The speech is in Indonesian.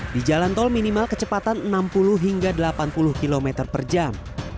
di jalan tol minimal kecepatan enam puluh hingga delapan puluh km per jam